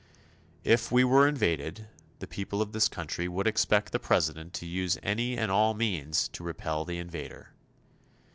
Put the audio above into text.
If we were invaded, the people of this country would expect the President to use any and all means to repel the invader.